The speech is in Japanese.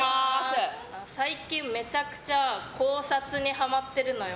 最近、めちゃくちゃ考察にはまっているのよ。